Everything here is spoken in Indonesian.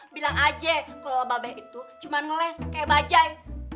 bilang aja kalau mbak be itu cuma ngeles kayak bajaj